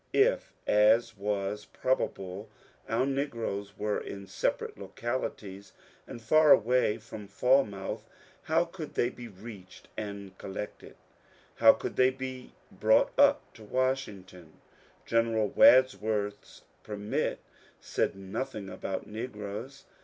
If, as was probable, our negroes were in separate localities and far away from Falmouth, how could they be reached and collected — how could they be brought up to Washington ? General Wadsworth's permit said nothing about negroes.